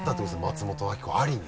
「松本明子あり」に。